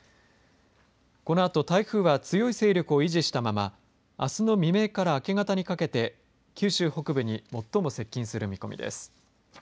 このあと台風は強い勢力を維持したままあすの未明から明け方にかけて九州北部に最も接近する見込みです。